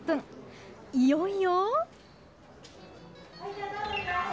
いよいよ。